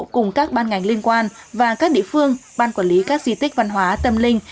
cùng các ban ngành liên quan và các địa phương ban quản lý các di tích văn hóa tâm linh